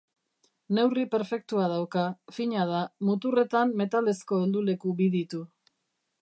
Neurri perfektua dauka, fina da, muturretan metalezko helduleku bi ditu.